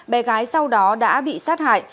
bé gái sau đó đã bị sát hại